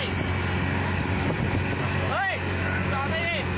ยิงเลยจอดซ้าย